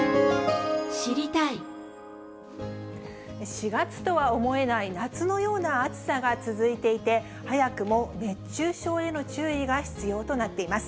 ４月とは思えない夏のような暑さが続いていて、早くも熱中症への注意が必要となっています。